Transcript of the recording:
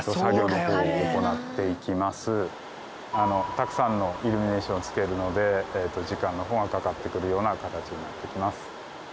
たくさんのイルミネーションを付けるので時間の方がかかってくるような形になってきます。